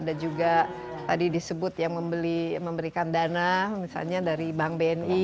dan juga tadi disebut yang memberikan dana misalnya dari bank bni